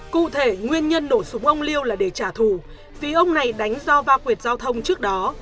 cụ thể nguyên nhân nổ súng ông liêu là để trả thù vì ông này đánh do va quyệt giao thông trước đó